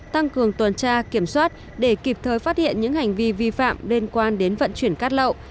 tăng cường tuần tra kiểm soát để kịp thời phát hiện những hành vi vi phạm liên quan đến vận chuyển cát lậu